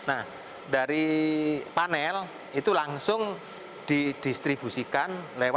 nah dari panel itu langsung didistribusikan lewat